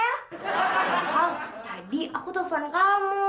bang tadi aku telepon kamu